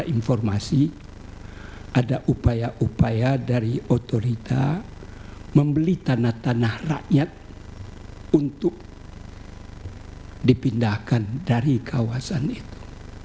informasi ada upaya upaya dari otorita membeli tanah tanah rakyat untuk dipindahkan dari kawasan itu